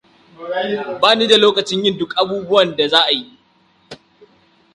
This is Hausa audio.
Bani da lokacin yin dukkan abubuwan da za'ayi.